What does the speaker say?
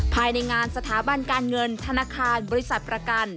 ภายในงานสถาบันการเงินธนาคารบริษัทประกัน